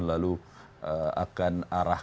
lalu akan arah